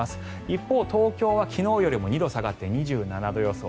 一方、東京は昨日よりも２度下がって２７度予想。